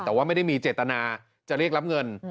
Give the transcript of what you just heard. แต่ว่าไม่ได้มีเจตนาจะเรียกรับเงิน